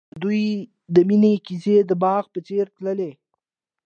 د دوی د مینې کیسه د باغ په څېر تلله.